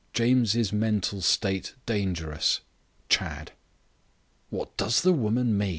James' mental state dangerous. Chadd." "What does the woman mean?"